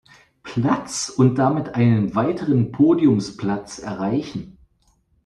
Platz und damit einen weiteren Podiumsplatz erreichen.